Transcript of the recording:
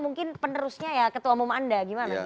mungkin penerusnya ya ketua umum anda gimana